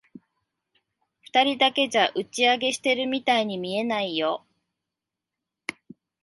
二人だけじゃ、打ち上げしてるみたいに見えないよ。